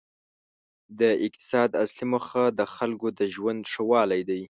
د اقتصاد اصلي موخه د خلکو د ژوند ښه والی دی.